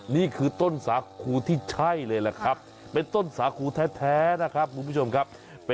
นี่คือต้นสาขูที่ใช่เลยแหละครับ